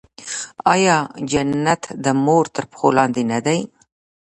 آیا جنت د مور تر پښو لاندې نه دی؟